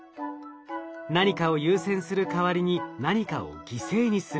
何かを優先する代わりに何かを犠牲にする。